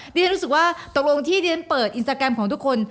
เรียนรู้สึกว่าตกลงที่เรียนเปิดอินสตาแกรมของทุกคน